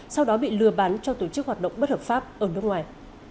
sau đó bị lừa bán cho tổ chức hoạt động bất hợp pháp ở nước ngoài